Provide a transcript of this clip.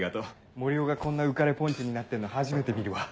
森生がこんな浮かれポンチになってんの初めて見るわ。